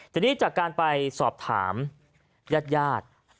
ทีนี้จากการไปสอบถามญาติญาติ